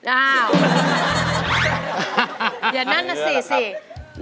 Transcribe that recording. อ้าวอย่านั่นน่ะสิสิ